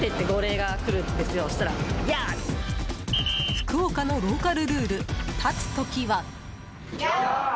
福岡のローカルルール立つ時は。